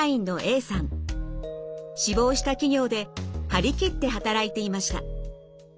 志望した企業で張り切って働いていました。